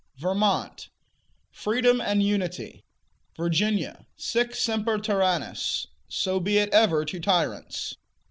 Vermont Freedom and Unity. Virginia Sic semper tyrannis: So be it ever to tyrants.